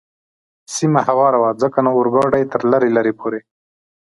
سیمه هواره وه، ځکه نو اورګاډی تر لرې لرې پورې.